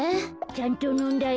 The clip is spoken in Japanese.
ちゃんとのんだよ。